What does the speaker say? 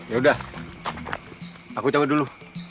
yaudah aku cabut dulu